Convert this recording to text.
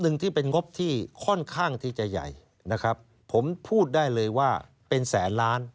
หนึ่งที่เป็นงบที่ค่อนข้างที่จะใหญ่นะครับผมพูดได้เลยว่าเป็นแสนล้าน